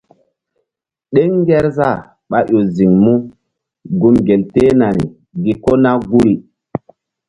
Ɗeŋ ngerzah ɓáƴo ziŋ mú gun gel tehnari gi kona guri.